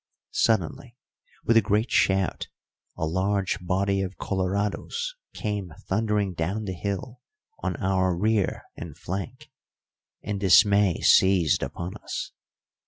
Suddenly with a great shout a large body of Colorados came thundering down the hill on our rear and flank, and dismay seized upon us.